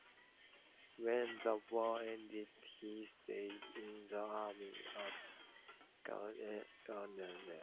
When the war ended he stayed in the army as garrison commander at Emden.